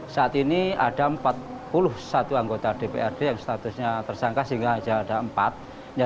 saat ini ada empat puluh satu anggota dprd yang statusnya tersangka sehingga saja ada empat